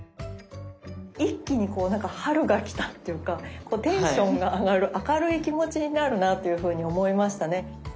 一気にこうなんか春が来たっていうかこうテンションが上がる明るい気持ちになるなというふうに思いましたね。